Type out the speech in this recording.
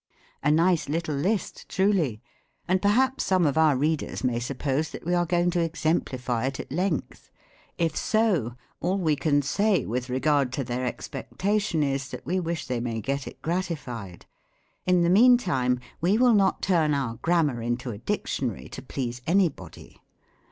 A nice little list, truly ! and perhaps some of our readers may suppose that we are going to exemplify it at length : if so, all we can say with regard to their ex pectation is, that we wish they may get it gratified. In the meantime, we will not turn our Grammar into a dictionary, to please anybody.